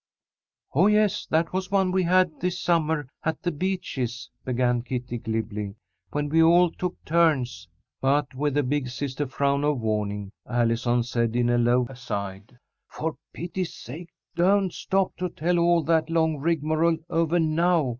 "Oh, yes, that was one we had this summer at The Beeches," began Kitty, glibly, "when we all took turns " But, with a big sister frown of warning, Allison said, in a low aside: "For pity's sake, don't stop to tell all that long rigmarole over now.